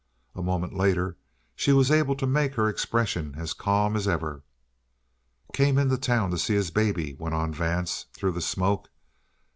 A moment later she was able to make her expression as calm as ever. "Came into town to see his baby," went on Vance through the smoke.